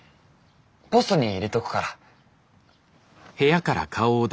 ポストに入れとくから。